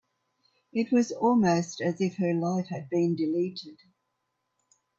It was almost as if her life had been deleted.